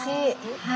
はい。